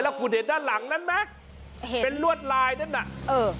คุณเห็นด้านหลังนั้นไหมเห็นเป็นลวดลายนั่นน่ะเออ